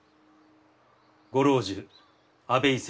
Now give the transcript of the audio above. ご老中阿部伊勢